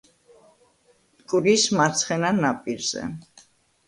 მტკვრის მარცხენა ნაპირზე.